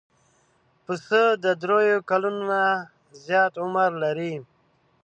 پسه د درېیو کلونو نه زیات عمر لري.